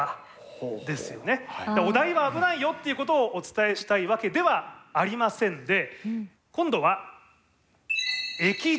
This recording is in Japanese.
お台場危ないよっていうことをお伝えしたいわけではありませんで今度は液状化。